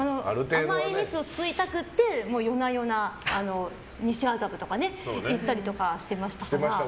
甘い蜜を吸いたくて夜な夜な西麻布とか行ったりとかしてました。